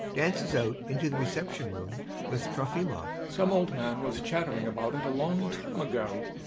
[Dances out into the reception room with TROFIMOV.] YASHA. Some old man was chattering about it a long time ago.